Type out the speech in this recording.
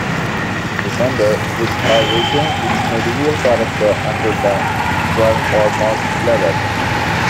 The centre, which had retained its medieval character until then, was almost levelled.